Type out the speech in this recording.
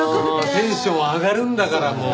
テンション上がるんだからもう。